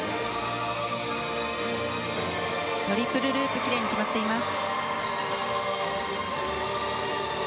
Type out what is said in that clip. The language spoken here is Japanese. トリプルループきれいに決まっています。